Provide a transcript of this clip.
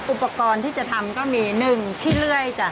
อุปกรณ์ที่จะทำก็มี๑ขี้เลื่อยจ้ะ